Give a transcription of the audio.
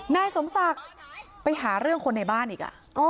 นายสมศักดิ์ไปหาเรื่องคนในบ้านอีก